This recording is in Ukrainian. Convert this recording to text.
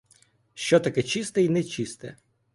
Що таке чисте й нечисте?